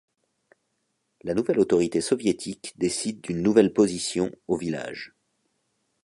La nouvelle autorité soviétique décide d'une nouvelle position au village.